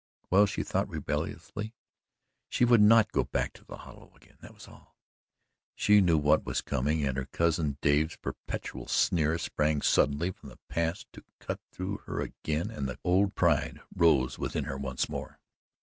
Well, she thought rebelliously, she would not go back to the hollow again that was all. She knew what was coming and her cousin Dave's perpetual sneer sprang suddenly from the past to cut through her again and the old pride rose within her once more.